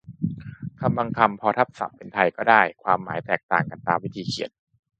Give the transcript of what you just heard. คำบางคำ พอทับศัพท์เป็นไทยก็ได้ความหมายแตกต่างกันตามวิธีเขียน